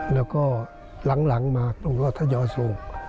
แล้วก็หลังมาตรงรถยอสูง